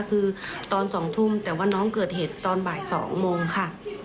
คือตอน๒ทุ่มแต่ว่าน้องเกิดเหตุตอนบ่าย๒โมงค่ะ